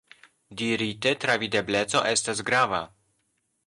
Dirite, travidebleco estas grava.